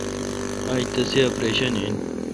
آج تسی اپریشن این ۔